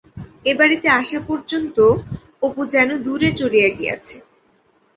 এ বাড়িতে আসা পর্যন্ত অপু যেন দূরে চলিয়া গিয়াছে।